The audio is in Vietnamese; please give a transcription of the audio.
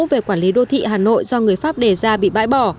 về quản lý đô thị hà nội do người pháp đề ra bị bãi bỏ